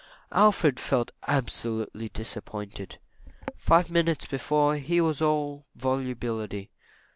Alfred felt absolutely disappointed. Five minutes before, he was all volubility.